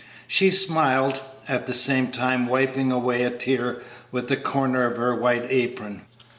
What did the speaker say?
She smiled, at the same time wiping away a tear with the corner of her white apron.